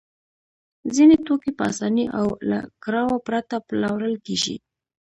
ځینې توکي په اسانۍ او له کړاوه پرته پلورل کېږي